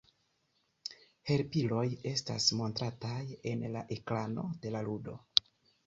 Helpiloj estas montrataj en la ekrano de la ludo.